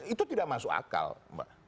itu tidak masuk akal mbak